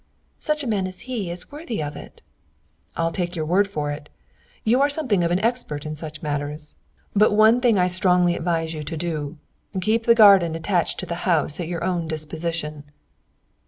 "Such a man as he is worthy of it." "I'll take your word for it. You are something of an expert in such matters! But one thing I strongly advise you to do: keep the garden attached to the house at your own disposition."